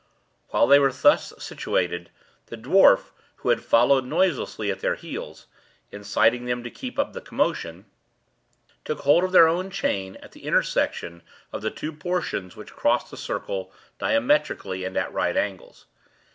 While they were thus situated, the dwarf, who had followed noiselessly at their heels, inciting them to keep up the commotion, took hold of their own chain at the intersection of the two portions which crossed the circle diametrically and at right angles.